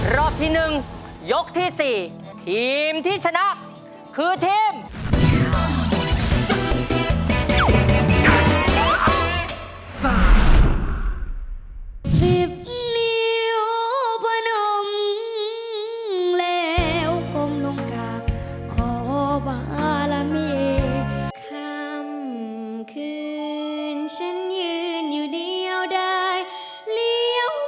รอบที่หนึ่งยกที่สี่ทีมที่ชนะคือทีม